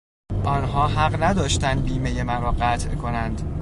آنها حق نداشتند بیمهی مرا قطع کنند.